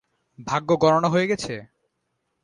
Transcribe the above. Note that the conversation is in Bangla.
ভাগ্য গণনা হয়ে গেছে!